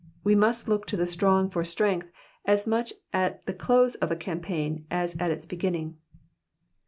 We must look to the strong for strength as much at the close of a campaign as at its beginning.